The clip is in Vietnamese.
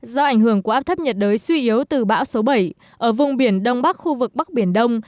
do ảnh hưởng của áp thấp nhiệt đới suy yếu từ bão số bảy ở vùng biển đông bắc khu vực bắc biển đông